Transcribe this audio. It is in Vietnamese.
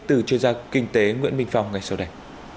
từ chuyên gia kinh tế nguyễn minh phong ngay sau đây